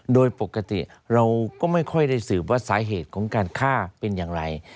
โดยปกติเราก็ไม่ค่อยได้สืบว่าสาเหตุของการฆ่าเป็นอย่างไร